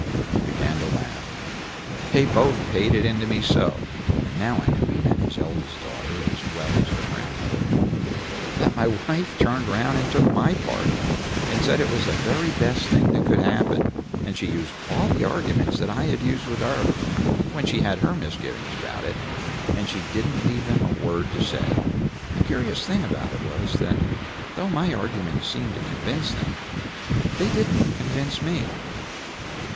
He began with a laugh, "They both paid it into me so," and now I knew that he meant his eldest daughter as well as her grandmother, "that my wife turned round and took my part, and said it was the very best thing that could happen; and she used all the arguments that I had used with her, when she had her misgivings about it, and she didn't leave them a word to say. A curious thing about it was, that though my arguments seemed to convince them, they didn't convince me.